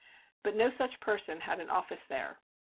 But no such person had an office there.